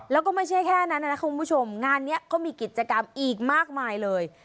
แล้วก็ไม่ใช่แค่นั้นนะคุณผู้ชมงานนี้ก็มีกิจกรรมอีกมากมายเลย